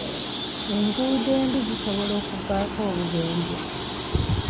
Enguudo embi zisobola okuvaako obubenje.